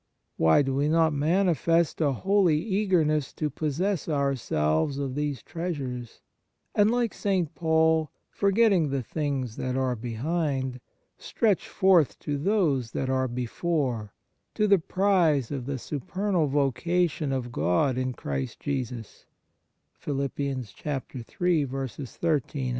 Why do we not manifest a holy eagerness to possess our selves of these treasures, and like St. Paul, forgetting the things that are behind, " stretch forth to those that are before, to the prize of the supernal vocation of God in Christ Jesus "P 1 Oh that we were 1 Phil. iii.